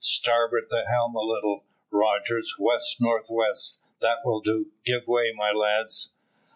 Starboard the helm a little, Rogers, west north west. That will do. Give way, my lads."